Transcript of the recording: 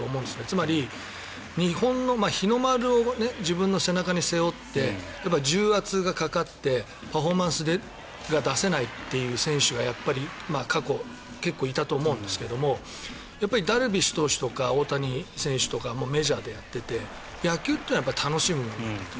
つまり日本の日の丸を自分の背中に背負って、重圧がかかってパフォーマンスが出せないという選手がやっぱり過去、結構いたと思うんですけどもダルビッシュ投手とか大谷選手とかメジャーでやっていて野球というのは楽しむものなんだと。